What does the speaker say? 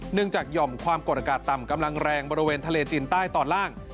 จากหย่อมความกดอากาศต่ำกำลังแรงบริเวณทะเลจีนใต้ตอนล่าง